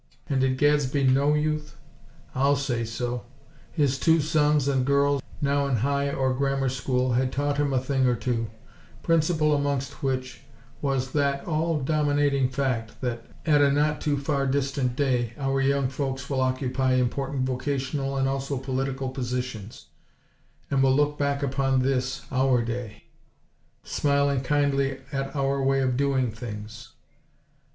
And did Gadsby know Youth? I'll say so! His two sons and girls, now in High or Grammar school, had taught him a thing or two; principal amongst which was that all dominating fact that, at a not too far distant day, our young folks will occupy important vocational and also political positions, and will look back upon this, our day; smiling kindly at our way of doing things.